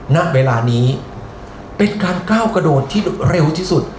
ณเวลานี้เป็นการก้าวกระโดดที่เร็วที่สุด